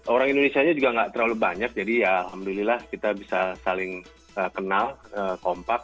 orang indonesianya juga nggak terlalu banyak jadi ya alhamdulillah kita bisa saling kenal kompak